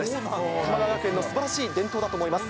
玉川学園のすばらしい伝統だと思います。